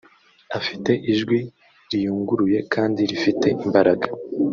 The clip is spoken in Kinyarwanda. Afite ijwi riyunguruye kandi rifite imbaraga